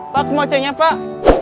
pak kemojeng ya pak